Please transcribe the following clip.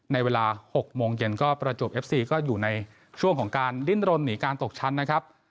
ในเวลา๖โมงเย็นก็ประจวบเอฟซีก็อยู่ในช่วงของการดิ้นรนหนีการตกชั้นนะครับ